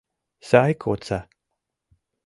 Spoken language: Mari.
Сай кодса!